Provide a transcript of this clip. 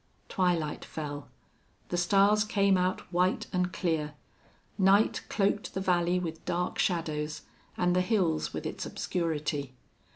Twilight fell. The stars came out white and clear. Night cloaked the valley with dark shadows and the hills with its obscurity.